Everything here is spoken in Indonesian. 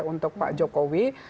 untuk pak jokowi